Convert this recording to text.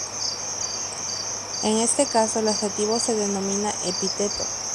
En este caso al adjetivo se denomina epíteto.